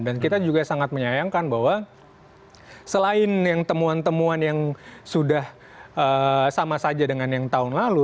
dan kita juga sangat menyayangkan bahwa selain yang temuan temuan yang sudah sama saja dengan yang tahun lalu